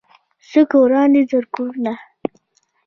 څه که وران دي زر کورونه